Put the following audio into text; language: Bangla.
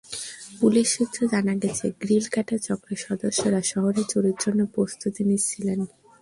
পুলিশ সূত্রে জানা গেছে, গ্রিলকাটা চক্রের সদস্যরা শহরে চুরির জন্য প্রস্তুতি নিচ্ছিলেন।